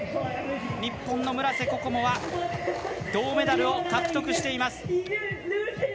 日本の村瀬心椛は銅メダルを獲得しています。